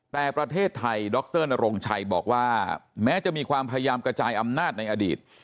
แต่ประเทศไทยดรนโรงชัยบอกว่าแม้จะมีความพยายามกระจายอำนาจในอดีต